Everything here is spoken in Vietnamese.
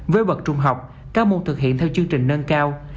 với bậc trung học các môn thực hiện theo chương trình nâng cao